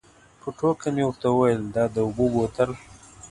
په ټوکه مې ورته وویل دا د اوبو بوتل.